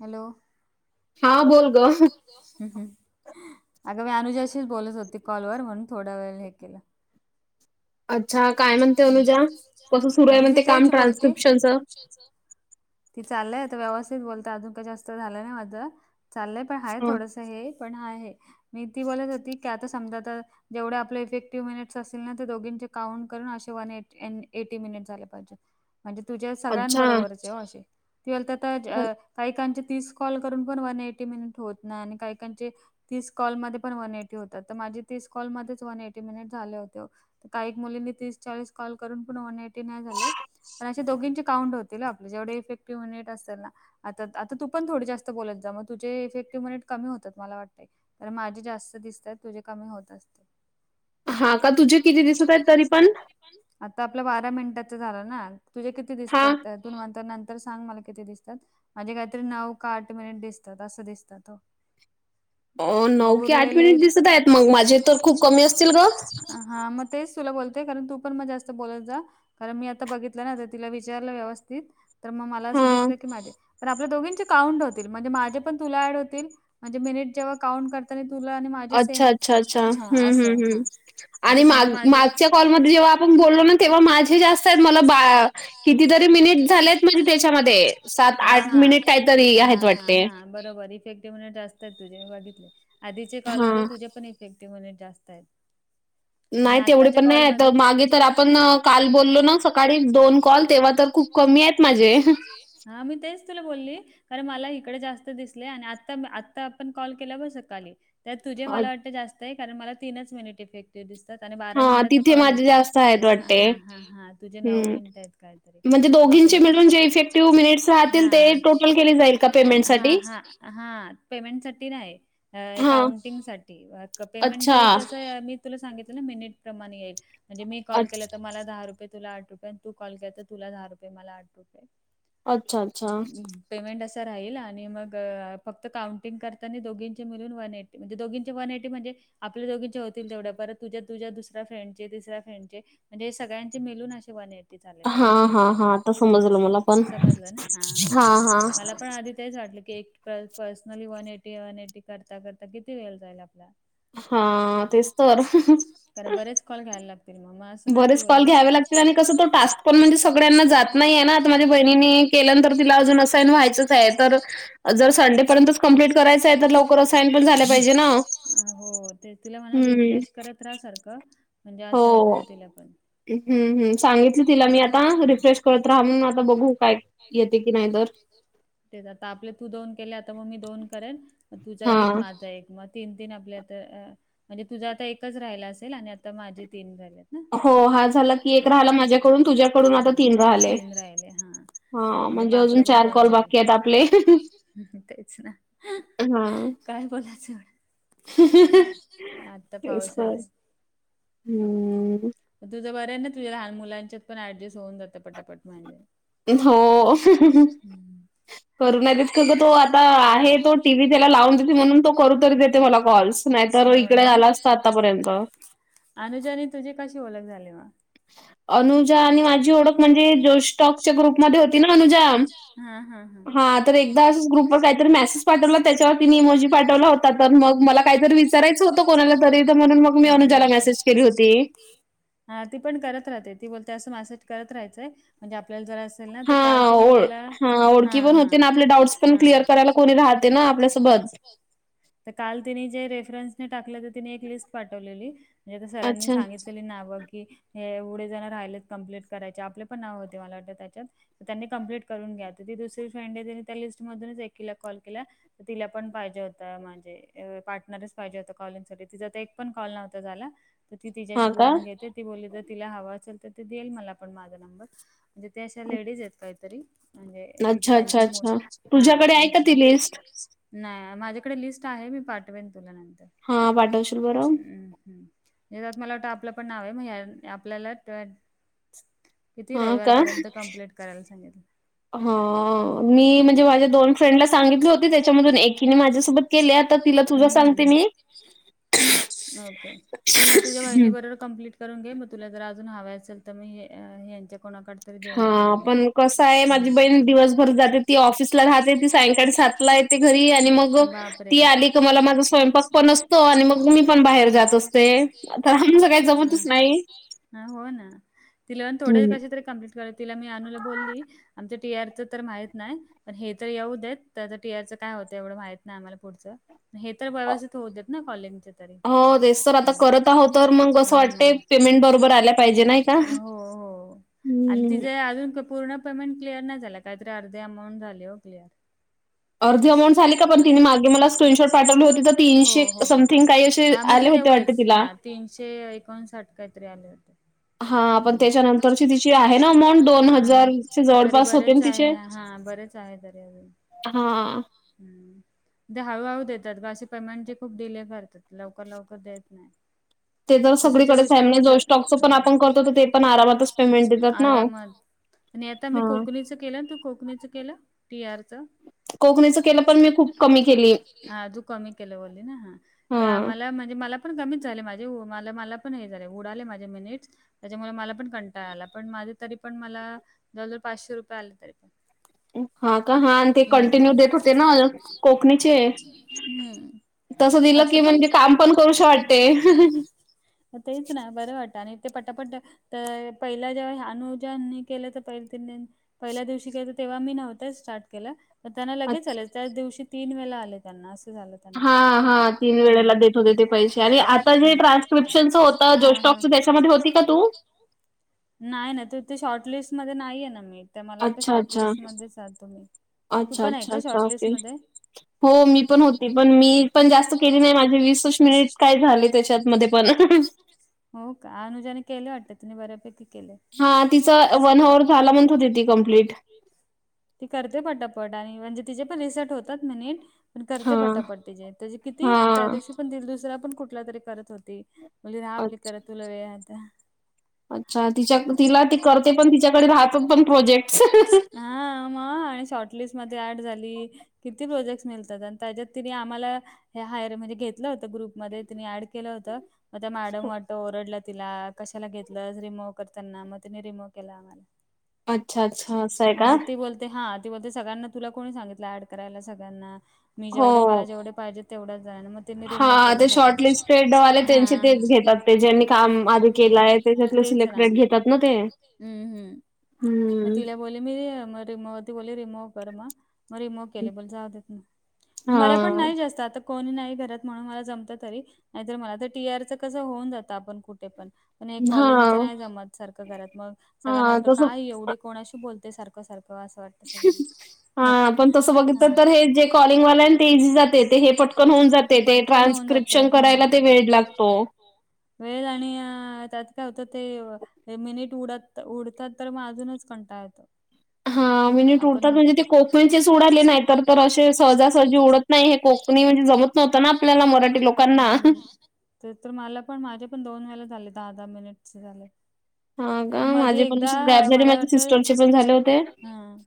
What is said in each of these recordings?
Hello. हा बोल ग. ह् ह अगं म्या अनुजाशीच बोलत होती कॉलवर म्हणून थोड्या वेळानेहे केलं. म्हणजे ती तेच बोलते. ती चालय आता व्यवस्थित बोलत अजून काय जास्त झालं नाही माझं चाललंय पण आहे थोडसं हे. हा आहे, मी ती बोलत होती समजा तर, जेवढं आपल इेक्टिव्ह महिन्याचं असलं तर दोघीच काउंट करून असे वन, ए एटी, मिनिट झाले पाहिजेत म्हणजे तुझ्या सगळ्यांबरोबरचे अशे ती बोलते आता काही काचे तीस. कॉल करून पण वन एटी मिनिट होत नाही आणि काहीकांचे तीस कॉलमध्ये पण वन एटी होतात तर माझे तीस कॉलमध्येच वन एटी, मिनिट झाले होते. काही एक मुलींनी तीस चाळीस कॉल करून पण वन, एटी नाही झाले. पण अशे दोघींचे काउंट होतील आपले जेवढे इफेक्टिव्ह नेट असल ना. आता, आता तू पण थोडे जास्त बोलत जा मग तुजे इफेक्टिव्ह मिनिट कमी होतात मला वाटतय. तर माझे जास्त दिसतात तुझे कमी होतात. हा का, तुझे किती दिसत आहेत तरी पण? आता आपलं बारा मिनिटाच झालं ना, तुझे किती दिसतात त्यात. नंतर, नंतर सांग मला किती दिसतात. माझे काहीतरी नऊ का, आठ मिनिट दिसतात असं दिसतात वो. अ, नऊ की आठ मिनिट दिसत आहेत मग माझे तर खूप कमी असतील ग. हा मग तेच तुला बोलतेय, कारण तू पण मग जास्त बोलत जा. कारण मी आता बघितलं ना तर तिला विचारलं व्यवस्थित, तर मग मला असं दिसलं की माझे तर आपल्या दोघींचे काउंट होतील म्हणजे माझे पण तुला ऍड होतील. म्हणजे मिनिट जेव्हा काउंट करता तुला आणि मला अच्छा, अच्छा, अच्छा, हम्म, हम्म, हम्म. आणि माग, मागच्या कॉलमध्ये जेव्हा आपण बोललो ना तेव्हा माझे जास्त आहेत मला बा कितीतरी मिनिट झालेत म्हणजे त्याच्यामध्ये, सात आठ मिनिट काहीतरी आहेत वाटते. बरोबर इफेक्टिव्ह मिनिट जास्त आहेत तुझे, मि बघितलय आधीचे कॉल मध्ये तुजे पण एक. सेफ्टी मध्ये जास्त आहेत. नाही तेवढे पण नाही आता, मागे तर आपण काल बोललो ना सकाळी दोन कॉल तेव्हा तर खूप. कमी आहेत माझे. हां मी तेच तुला बोलली. कारण मला इकडे जास्त दिसले आणि आता, आता आपण कॉल केला ब सकाळी. त्यात तुझे मला वाटतं जास्त हाय, कारण मला तीनच मिनिट इफेक्ट ते दिसतात, आणि बारा मिनिटाचा कॉल येतो हा, ह हा तुझे नऊ मिनिट आहेत काय. म्हणजे दोघींचे मिळून जे इफेक्टिव्ह मिनिट्स राहतील ते टोटल केले जाईल का पेमेंट साठी? हा पेमेंट साठी नाही, अकाउंटिंग साठी पेमेंट जसं आहे मी तुला सांगितलं ना मिनट प्रमाणे, मी कॉल केला तर मला दहा रुपये तुला आठ रुपये पण तू कॉल केला तर तुला दहा रुपये मला आठ रुपये पेमेंट असं राहील आणि मग फक्त काउंटिंग करताना दोघींचे मिळून वन एट. म्हजे दोघींचे वन एटी म्हणजे, आपल्या दोघींच्या होतील तेवढ्या परत तुझ्या, तुझ्या दुसऱ्या फ्रेंडचे, तिसऱ्या फ्रेंडचे म्हजे सग्यांचे मिलून असे वन एट समजलं ना, ह मला पण आ तेच वाटलं की एक personally one eighty, one eighty करता करता किती वेळ जाईल आपला हा तेच. खर बरेच कॉल घ्यायला लागते. बरेच कॉल घ्यावे लागतील आणि कस तो टास्क कॉल म्हणजे सगळ्यांना जात नाही आहे ना आता माझ्या बहिणीनी. जर संडे पर्यंत कम्प्लीट करायचा आहे तर. हो तुला म रिफ्रेश करत रा सारख म्हणजे असं आहे ना होईल तला पण. हम्म हम सांगितली तिला मी आता रिफ्रेश करत राहा म्हणून आता बघू काय. येते की नाही तर. तेच आता आपले तू दोन केले आता मग मी दोन करेन तुझा एक माझा एक मग. तीन तीन आपल्या तर अ तुझा आता एकच राहिला असेल आणि आता माझे तीन झालेत ना. ह हा तीन राहिले हा. म्हणजे मग आपलं पण होऊन जाईल तेच ना. काय बोला चड. [unintelligible] आता पाऊस आलाय. हम्म तुझं बरं आहे ना तझ लहान मुलांच्या पण डजस्ट होऊन जात. पटापट माहिज. करू नाही का ग तो आता आहे तो टीव्ही त्याला लावून देते म्हणून तो करू तरी देते मला कॉल्स. नाहीत इकडे आला असता आतापर्यंत. अनुजानी तुझी कशी ओळख झाली म अनुजा आणि माझी ओळख म्हणजे जो स्टॉकच्या ग्रुप मध्ये होती ना अनुजा. हा हा हा. हा तर एकदा असंच ग्रुपवरर काहीतरी मेसेज पाठवला त्याच्यावर तिने इमोजी पाठवला होता. मग मला काहीतरी विचारायचं होतं कोणाला तरी तर म्हणून मग मी अनुजाला मेसेज केली होती. हा ती पण करत राहते ती बोलते असं मॅसेज करत राहायचंय म्हणजे आपल्याला जरा. काल त म ह ह्र राह आपल्या [inaudible] तर काल तिने जे रेफरन्सने टाकलं तर तिने एक लिस्ट पाठवलेली म्हणजे सरांनी सांगित. नाव की हेढे जण राहिलेच कंप्लीट करायचे आपले पण नाव होते मला वाटत त्याच्यात. तर त्यांनी कं्प्लीट करून घ्या ती दुसरी फ्रेंड त्यांनी त्या लिस्ट मधूनच एकला कॉल केला. तर तिला पण पाहिजे होतं माणजे पार्टनरच पाहिजे होत कॉलिंग साठी तिचा तर एक पण कॉल नव्हता झाला. तर ती तिच्याशी बोलून घेते ती बोलली तर तिला हवा असल तर ते देईल मला पण माझा नंबर. म्हणजे ते अशा लेडीज आहेत काहीतरी. म्हणजे त त्यांचे म हा त्यांची नाही माझ्याकडे लिस्ट आहे मी पाठवेन तुला नंतरम् हम्. त मला वाटतं आपलं पण नाव आहे मग आपल्याला रविवारपर्यंत कंप्लीट करायला सांगितलं. हा मी म्हणजे माझ्या दोन फ्रेंडला सांगितले होते त्याच्यामधून एकीने माझ्यासोबत. केल्या आता तिला तुझा सांगते मी. ओके तू मग तुझ्या वहिणी बरोबर. कंप्लीट करून घे मग तुला जर अजून हव असेल तर मी हे यांच्या कोणाकड हा पण कसं आहे माझी बहीण दिवसभर जाते ती ऑफिसला राहते ती सायंकाळी सातला आहे ते घरी आणि मग. ती आली क मला माझा स्वयंपाक पण आसऽ तोआणि मग मी पण बाहेर जात असते तर आमच काही जमतच नाही ह हो ना. तिला पण थोडे कश तरी कंप्लीट करलं, तिला मी अनुला बोलली. आमच्या टी आरचं तर माहीत नाही. पण हे तर येऊ देत, त्या टीआरचं काय होतं एवढं माहित नाही आम्हाला पुढचं. हे तर व्यवस्थित होऊ देत ना कॉलेज. हो, तेच तर आता करत आहोत तर मग अस वाटत पेमेंट बरोबर आल्या पाहिजे ना. हो, हो, आणि तिज अजून का पूर्णऽ पेमेंट क्िअर नाही झाल, काय तरी अर्े अमाऊंट झाली हो क्लिअर. अर्धी अमाऊंट झाली का पण तिने मागे मला स्क्रीनशॉट पाठवले होते तर तीनशे समथिंग काही असे आले होते वाट दिला तीनशे एकोणसाठ काहीतरी आले त. आ मग तरी बरेच आहे, हा बरेचऽ शाळेत आल्यावर हा, हम्म, ते हळूहळू देतात, ग पेमेंट जे खूप डिले करतात, लवकर लवकर देत नाही, तसं जॉई स्टॉकच, आरामात. आणि आता मी कोकणीच केलं ना, तू कोकणीच केलं, टी आरच. कोकणीचं केलं, पण मी खूप कमी केली. हा, अजू कमी केलं बोली ना, हा. त्या आमाला म्हणजे, मला पण कमीच झाले माझे, म मला पण हे झाले, उडाले माझे मिनिट्स. त्याच्यामुळे मला पण कंटाळ आला, पण माझे तरी पण, मला जवळ जवळ पाचशे रुपये आले तरी पण, हा का, हा, आणि ते कंटिन्यू देत होते ना कोकणीचे. तसं दिलं की, म्हणजे काम पण करू श वाटते. तेच ना, बरं वाटतं आणि ते पटापट्टऽ तर पहिला जेव्हा, अनुजन केलं तर पहिऽ पहिल्या दिवशी केलत, तेव्हा मी नव्हत स्टार्ट केलं. तर त्यांना लगेच आले, त्याच दिवशी तीन वेळा आले त्यांना, असं झालं. हा, हा,, तीन वेळेला देत होते ते पैसे, आणि आता जे ट्रान्स्क्रिप्शनचं होंत, जोस्टॉकचं त्याच्यामध्ये होतऽ तीका तू? नाही ना तुथे, शॉर्ट लिस्ट मध्ये नाही आहे ना मी, तर मला वाटतं शॉर्ट लिस्टमध्येच तुम् मी. अच्छा, अच्छा, अच्छा, केऽ हो मी पण होती, पण मी पण जास्त केली नाही, माझे वीस मिनिट काय झाले त्याच्यात, म पणऽ हो का,, अनुजाने केले वाटते, तिने बऱ्यापैकी केलेय. हा, तिचं वन आवर झाला म्हणत होते ती कम्प्लीट. ती करते पटापट, आणि म्हणजे तिचेे पण रिसट होतात ना नीट. पण करते पटापट्ट तिचे त्याचे किती, त्या दिवशी पण दिलदुसरा पण कुठला तरी करत होती. उली ना हापली करा, तुला वेळ हाय आता. अच्छा, तिच्या, तिला ती करते पण तिच्याकडे राहतात पण प्रोजेक्ट. आणि शॉर्ट लिस्ट मधे ऍड झाली, किती प्रोजेक्ट् मिळतात, आणि त्याच्यात ति आम्हालाऽ हे हायर म्हणजे घेतलं होतं ग्रुपमध्ये तिने ऍड केलं होत, मग त्या मॅडम वाटत ओरडलं तिला, कशाला घेतलं, रिमोव्ह कर ताना, मग तिने रिमोव्ह केल आम्हाला. म्हणजे ते बोलते, हा. ती बोलते सगळ्यांना तुला कोणी सांगितलं एड करायला सगळ्यांना, मी जेवढे मला जेवढे पाहिजे- तेवढाच जा मऽ [unintelligible] हा, ते शॉर्टलिस्टेडवाले त्यांचे तेच घेतात, ते ज्यांनी काम आधी केलंय त्येच- ते सिलेक्टेड घेतात ना ते. मग तिला बोलली मी, म रिमोव ती बोलली रिमोव कर, मग. मग रिमव केले, बोल जाऊ देत ना. मला पण नाही जास्त आता- कोणी नाही घरात म्हणून मला जमत तरी, नाहीत मला टी आर च कसं होऊन जात आपण कुठे पण. आणि एक कॉलिंग तर नाही जमत सारंख घरात मग, सगळ्यांना वाटतं काय एवढं- कोणाशी बोलते सारंख, सारखं असं वाटत. हा, पण तस बघलं तर, हे जे कॉलिंग वाले ते इझी जाते ते हे पटकन होऊन जात. ते ट्रान्सक्रीपशन करायला वेळ लागतो. वेळ आणि त्यात काय होतं, ते मिनिट उडत उडतात तर मग अजूनच- कंटाळा येतो. हा. उडतात म्हणजे, ते कोकणीच उडाले, नाही तर असे सहजासहजी उडत नाही, हे कोकणी म्हणजे ज- [unintelligible] न्हत ना आपल्याला मराठी लोकांना. ते तर मला पण माझे पण दोन वेळेला झाले दहा, दहा मिनिटचे झाले. मध्ये एकदा मला वाटतय, म-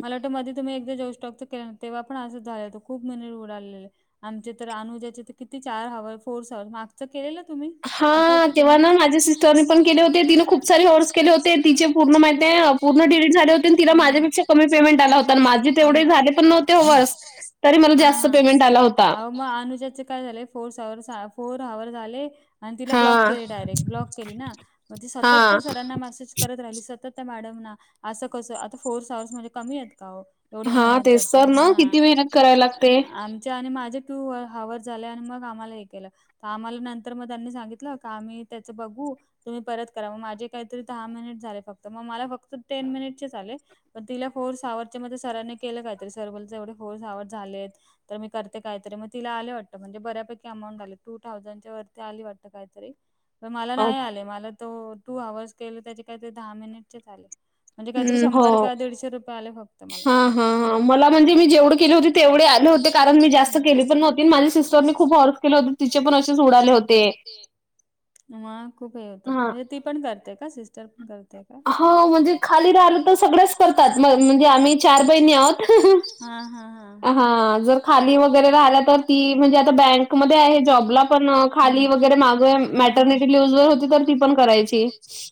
[unintelligible] ट मध्ये तुम्ही एकदा जाऊ शको के तेव्हाणं झालं हों खूप मिनट उडालेले [unintelligible] आमचे तर अनुजाचे तर किती चार हववर [unintelligible] फोर्स हवर मागचं केलेलं तुम्ही? हा, तेव्हा ना माझ्या सिस्टरने पण केले होते, तिने खूप सारे हॉर्स केले होते तिचे पूर्ण माहिती- पूर्ण डिलीट झाले होते आणि तिला माझ्यापेक्षा कमी पेमेंट आला होता, माझे तेवढे झाले पण नव्हते हावरस. तरी मला जास्त पेमेंट आला होता. मग अनुजच काय झालंय? फो [unintelligible] फोर अवर्स झाले. आणि तिला ब्लॉक केले डायरेक्ट, ब्लॉक केली ना, मग ती सतत त्या सरांना मेसेज करत राहिली सतत- मॅडम ना, असं कसं आता फोर अवर्स म्हणजे, कमी आहेत का हो? एवढी मेहनत करते हा आमच्या आणि माझे - टू हावरस झाले आणि मग आम्हाला हे केलं. तर आम्हाला नंतर मग त्यांनी सांगितलं, का आम्ही त्याचं बघू- तुम्ही परत करा, मग माझे काहीतरी दहा मिनिट झाले फक्त मग मला फक्त टेन मिनिटचेच आले. पण तिला फोर्स अवर्सच्या मधे सरांने केलं काहीतरी सर बोलत, एवढे फोर्स सावड झालेत. तर मी करते काहीतरी, मग तिला आले वाटतं म्हणजे बऱ्यापैकी अमाऊंट आले टू थाउजंडच्या वरती आली वाटत काहीतरी. पण मला नाही आले, मला तो टू अवर्स केलं त्याचे काही ते दहा मिनिटचेच आले. म्हणजे काहीतरी शंभर का, दीडशे रुपये आले फक्त. हा, हा, हा, मला म्हणजे मी जेवढे केले होते, तेवढे आले होते, कारण मी जास्त केले पण नव्हते. पण न माझे सिस्टर पी खूप हल्प केले हो तिचे पण असे उडाले होते [unintelligible] मग खूप हे होतात, म्हणजे ती पण करते का, सिस्टर पण करतेय का? हा, म्हणजे खाली राहिलं तर सगळच करतात, म्हणजे आम्ही चार बहिणी आहोत. हा, जर खाली वगैरे राहिला तर, ती म्हणजे आता बँकमध्ये आहे जॉबला पण- खाली वगैरे माग मँटरनीटिव लिव्हज वर होती, तर ती पण करायची.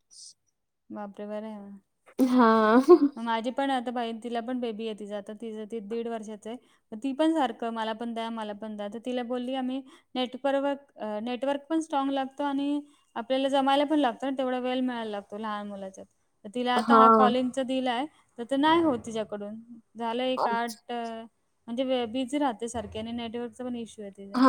ब [inaudible] पर वरा [unintelligible] हा. पण आता बाईण तिला पण बेबी आहे ति ज आता तिं ती दीड वर्षाचे. ती पण सारखं मला पण द्या मला पण द्या तर तिला बोलली आम्ही. नेट नेटवर्क पण स्ट्रॉग लागतो आणि आपल्याला जमायला पण लागतं ना तेवा वेळ मिळायला लागतो लहान मुलाच्या तर तिला आता हा कॉलिंगच दिलाय तर ते नाही हो तिच्याकडून झालंय कारड. म्हणजे बिझी राहते सारखे आणि नेटवर्कचा पण इशू आहे.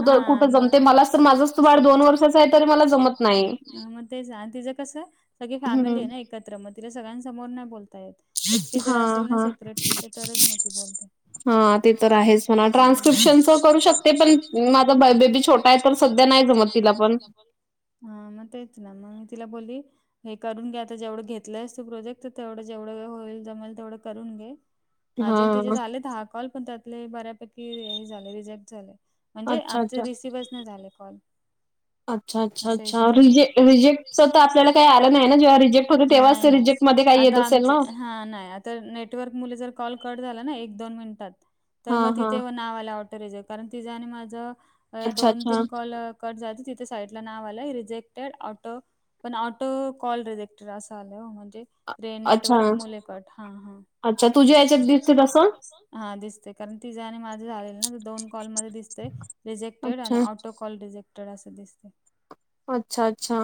हा मग ज मला माार दोन वर्षा आहे मला. अ मग तेच तिचं कसं सगळी फॅमिली आहे ना एकत्र मग तिच्या सगळ्यांस समोर नाही बोलता येत. एकटी जर असेल ना सेपरेट कुठे तरच नव्हती बोलते. हा ते तर आहेच म्हणा ट्रान्स्क्रिप्शनच करू शकते पण माझा बेबी छोट छोटा आहे पण सध्या नाही समत तला पण. हा मग तेच ना मग मी तिला बोलली हे करून घ्या. जेवढं घेतलंयस तू प्रोजेक्ट तर तेवढं जेवढं होईल जमेल तेवढं करून घे. हजेन तिचे झालेत हा कॉल पण त्यातले बऱ्यापैकी हे झाले रिजेक्ट झाले. म्हणजे आमचे रिसिव्हच नाही झाले कॉल.. अच्छा अच्छा अच्छा रजेक्ट आपल्याला काही आलं नाही. रिजेक्ट होत तेव्हा ते रिजेक्टमध्ये काही येत असेल ना. हा नाही आता नेटवर्क मुले जर कॉल कट झाला ना एक दोन मिनिटात. तर मग तिथे हो नाव आलं ऑटोरेजर कारण तिझं आणि माझं दोन तीन कॉल. जात तिथे साईड ला नाव आलं रिजेक्टेड ऑटो पण ऑटो कॉल रेक् अठरा सल हो म्हणजे. रे नेटवर्क मुलेकट हा हा तुत. हा दिसते कारण ती जे आणि माझे झालेल ना दोन कॉलमध्येध्ये दिसते रिजेक्टेड आणि प्रोटोकॉल डिजेक्टरड असं दिसते. अच्छा अच्छा!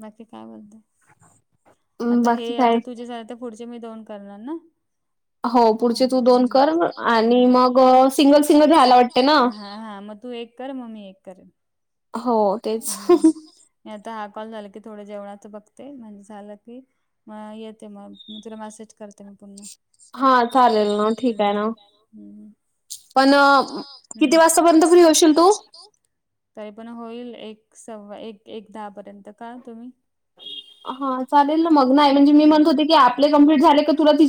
बाकी काय बोलते आता हे आता तुझ्या सा पुढचे मी दोन करणार ना. ्म् हा हा मग तू एक [inaudible] कर मग मी एक कर. हो तेच. म आता हा कॉल झाला की थोड जेवणाच बघते म्हणजे झालं की. मग येते मग मी तुला मेसेज करते मी पुनण हा चालेल ना ठीक आहे ना. पण किती वाजतापर्यंत फ्री होशील तू. तरी पण होईल एक सव्वा एक एक दहा पर्यंत का तुम्ही. हा चालेल ना मग नाही म्हणजे मी म्हणत होते की आपले कमप्लीट झाले का तु त